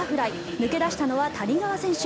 抜け出したのは谷川選手。